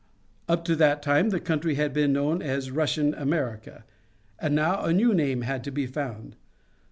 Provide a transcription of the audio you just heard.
Up to that time the country had been known as Russian America, but now a new name had to be found.